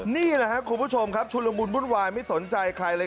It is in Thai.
นี่แหละครับคุณผู้ชมครับชุดละมุนวุ่นวายไม่สนใจใครเลย